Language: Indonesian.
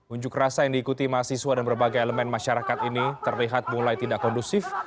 unjuk rasa yang diikuti mahasiswa dan berbagai elemen masyarakat ini terlihat mulai tidak kondusif